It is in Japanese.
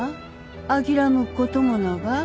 諦むっこともなか。